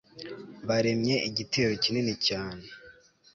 baremye igitero kinini cyane